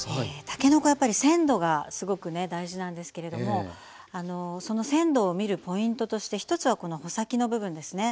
たけのこはやっぱり鮮度がすごくね大事なんですけれどもその鮮度を見るポイントとして１つはこの穂先の部分ですね。